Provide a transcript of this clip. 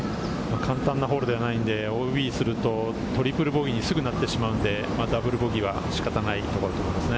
簡単なホールではないので、ＯＢすると、トリプルボギーにすぐなってしまうので、ダブルボギーは仕方ないところだと思います。